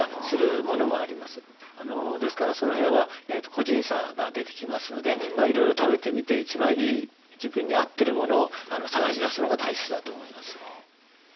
ですからその辺は個人差が出てきますのでいろいろ食べてみて一番いい自分に合ってるものを探し出すのが大切だと思います。